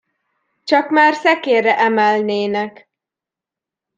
Csak már szekérre emelnének!